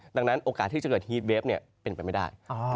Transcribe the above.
ดังนั้นโอกาสที่จะเกิดฮีตเวฟเป็นไปไม่ได้